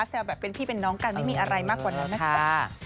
แซวแบบเป็นพี่เป็นน้องกันไม่มีอะไรมากกว่านั้นนะจ๊ะ